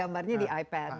gambarnya di ipad